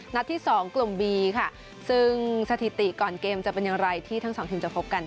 ที่สองกลุ่มบีค่ะซึ่งสถิติก่อนเกมจะเป็นอย่างไรที่ทั้งสองทีมจะพบกัน